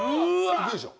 いくでしょ。